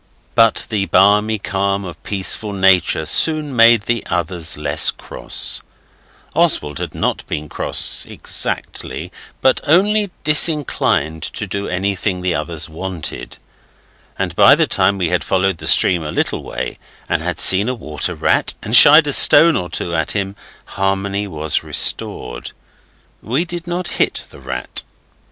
But the balmy calm of peaceful Nature soon made the others less cross Oswald had not been cross exactly but only disinclined to do anything the others wanted and by the time we had followed the stream a little way, and had seen a water rat and shied a stone or two at him, harmony was restored. We did not hit the rat.